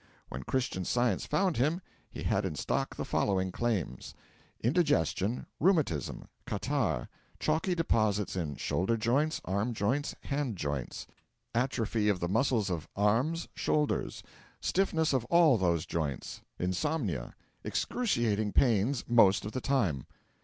When Christian Science found him, he had in stock the following claims: Indigestion, Rheumatism, Catarrh, Chalky deposits in Shoulder joints, Arm joints, Hand joints, Atrophy of the muscles of Arms, Shoulders, Stiffness of all those joints, Insomnia, Excruciating pains most of the time.